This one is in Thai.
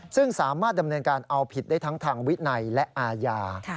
ซึ่งสามารถดำเนินการเอาผิดได้ทั้งทางวินัยและอาญา